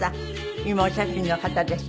今お写真の方です。